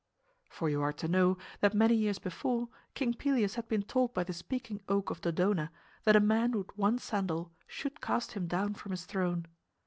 For you are to know that many years before King Pelias had been told by the Speaking Oak of Dodona that a man with one sandal should cast him down from his throne.